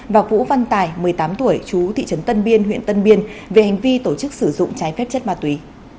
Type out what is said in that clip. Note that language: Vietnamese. và vũ văn tài một mươi tám tuổi chú thị trấn tân biên huyện tân biên về hành vi tổ chức sử dụng trái phép chất ma túy